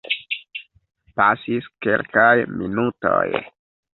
Pasis kelkaj minutoj.